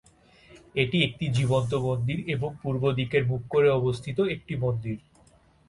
এটি একটি জীবন্ত মন্দির এবং পূর্বের দিকে মুখ করে অবস্থিত একটি মন্দির।